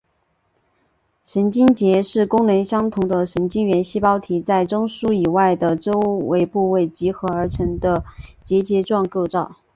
神经节是功能相同的神经元细胞体在中枢以外的周围部位集合而成的结节状构造。